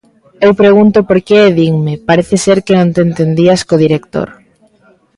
Eu pregunto por que e dinme: Parece ser que non te entendías co director.